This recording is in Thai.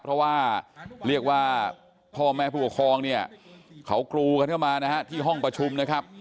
เพราะว่าเรียกว่าพ่อแม่ผู้ปกครองเนี่ยเขากรูกันเข้ามานะฮะที่ห้องประชุมนะครับ